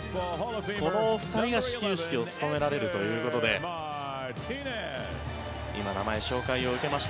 このお二人が始球式を務められるということで今、名前紹介を受けました。